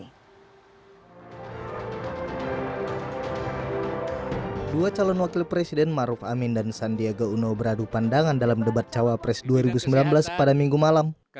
kedua calon wakil presiden maruf amin dan sandiaga uno beradu pandangan dalam debat cawapres dua ribu sembilan belas pada minggu malam